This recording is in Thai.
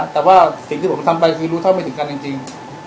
แต่ว่าสิ่งที่ผมทำไปคือรู้เท่าไม่ถึงกันจริง